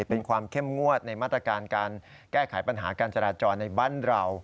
เป็นความเข้มงวดในมาตรการการแก้ไขปัญหาการจราจรในบ้านเรา